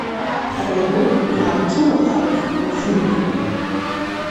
Радоу иаалцәымыӷхаз лзымӡеит.